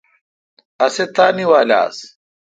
اسہ تانی وال آس۔